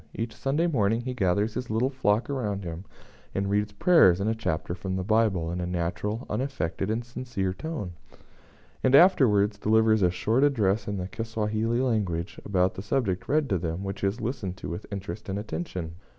Each Sunday morning he gathers his little flock around him, and reads prayers and a chapter from the Bible, in a natural, unaffected, and sincere tone; and afterwards delivers a short address in the Kisawahili language, about the subject read to them, which is listened to with interest and attention.